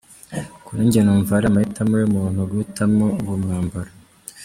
Kuri njye numva ari amahitamo y'umuntu guhitamo uwo mwambaro.